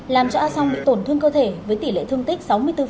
làm cho a song bị tổn thương cơ thể với tỷ lệ thương tích sáu mươi bốn